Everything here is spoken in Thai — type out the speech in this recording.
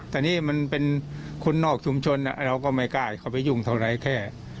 แต่นี่มันเป็นคนนอกชุมชนเราก็ไม่กล้าเข้าไปยุ่งเท่าไรแค่